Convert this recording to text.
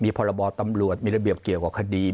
พรบตำรวจมีระเบียบเกี่ยวกับคดี